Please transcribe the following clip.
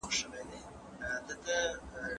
موږ د اوږده اتڼ لپاره ډوډۍ نه راوړو.